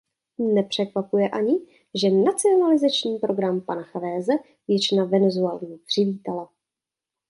Nepřekvapuje ani, že nacionalizační program pana Cháveze většina Venezuelanů přivítala.